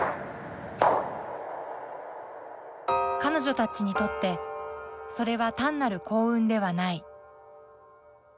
彼女たちにとってそれは単なる幸運ではない。